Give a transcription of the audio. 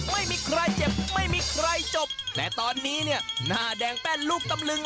ไม่มีใครเจ็บไม่มีใครจบแต่ตอนนี้เนี่ยหน้าแดงแป้นลูกตำลึง